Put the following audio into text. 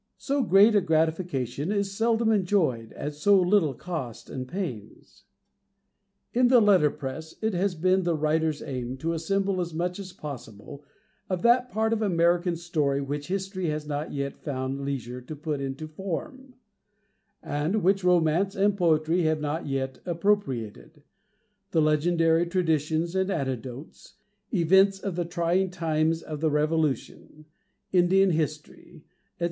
So great a gratification is seldom enjoyed at so little cost and pains. In the Letter press, it has been the Writer's aim to assemble as much as possible of that part of American story which history has not yet found leisure to put into form, and which romance and poetry have not yet appropriated—the legendary traditions and anecdotes, events of the trying times of the Revolution, Indian history, &c.